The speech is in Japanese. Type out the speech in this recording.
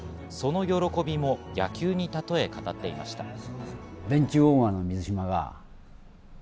その喜びも野球にたとえ語っていました。